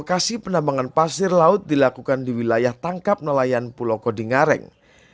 lokasi penambangan pasir laut dilakukan di wilayah tangkap nelayan pulau kodingareng